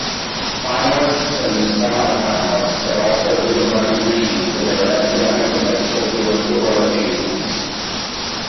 Finalists and semi-finalists are also given recognition for their academic and extracurricular achievements.